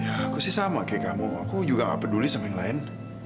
ya aku sih sama kayak kamu aku juga gak peduli sama yang lain